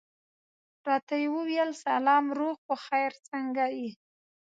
راته یې وویل سلام، روغ په خیر، څنګه یې؟